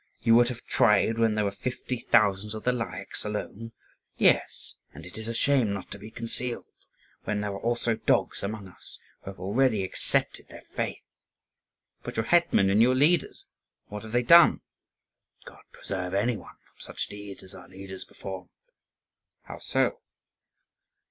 You would have tried when there were fifty thousand of the Lyakhs (2) alone; yes, and it is a shame not to be concealed, when there are also dogs among us who have already accepted their faith." (2) Lyakhs, an opprobrious name for the Poles. "But your hetman and your leaders, what have they done?" "God preserve any one from such deeds as our leaders performed!" "How so?"